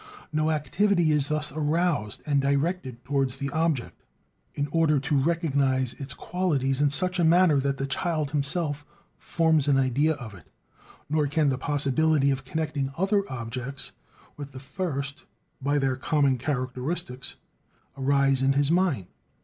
No activity is thus aroused and directed towards the object, in order to recognize its qualities in such a manner that the child himself forms an idea of it; nor can the possibility of connecting other objects with the first by their common characteristics arise in his mind.